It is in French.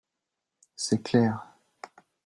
C’est clair